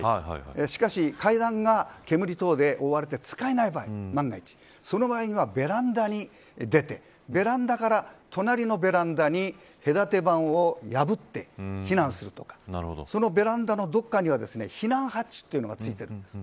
しかし、階段が煙等で覆われて使えない場合はその場合はベランダに出てベランダから隣のベランダに隔て板を破って避難するとかそのベランダのどこかには避難ハッチというのがついているんです。